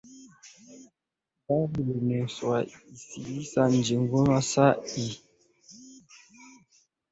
Gari limewasili mjengoni saa hii.